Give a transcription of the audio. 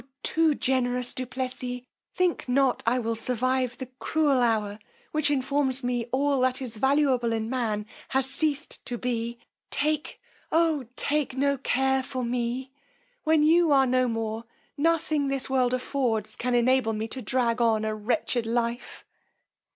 too generous du Plessis, think not I will survive the cruel hour which informs me all that is valuable in man has ceased to be! Take, oh! take no care for me; when you are no more, nothing this world affords can enable me to drag on a wretched life!